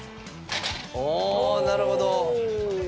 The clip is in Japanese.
あなるほど。